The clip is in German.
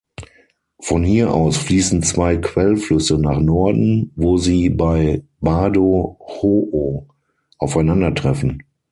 Von hier aus fließen zwei Quellflüsse nach Norden, wo sie bei Bado-Ho’o aufeinandertreffen.